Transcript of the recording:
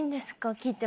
聞いても。